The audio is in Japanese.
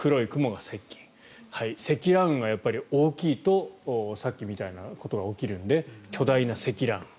やっぱり積乱雲が大きいとさっきみたいなことが起きるので巨大な積乱雲。